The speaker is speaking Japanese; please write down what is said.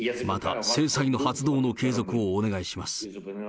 また、制裁の発動の継続をお願いします。